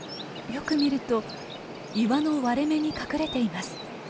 よく見ると岩の割れ目に隠れています。